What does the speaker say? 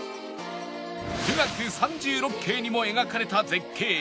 『冨嶽三十六景』にも描かれた絶景